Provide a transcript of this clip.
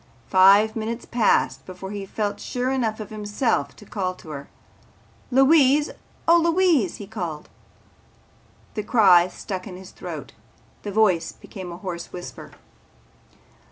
Five minutes passed before he felt sure enough of himself to call to her. "Louise! Oh, Louise!" he called. The cry stuck in his throat. His voice became a hoarse whisper.